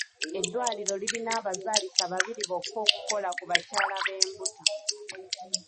Eddwaliro lirina abazaalisa babiri bokka okukola ku bakyala b'embuto.